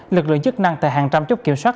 lực lượng chức năng tại hàng trăm chốt kiểm soát